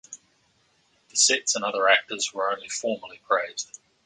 The sets and other actors were only formally praised.